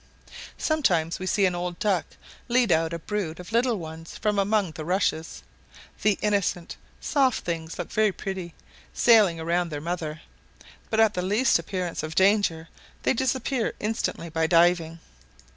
Sometimes we see an old duck lead out a brood of little ones from among the rushes; the innocent, soft things look very pretty, sailing round their mother, but at the least appearance of danger they disappear instantly by diving.